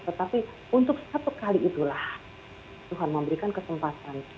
tetapi untuk satu kali itulah tuhan memberikan kesempatan